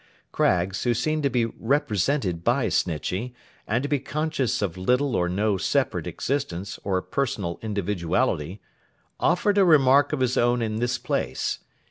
Craggs, who seemed to be represented by Snitchey, and to be conscious of little or no separate existence or personal individuality, offered a remark of his own in this place.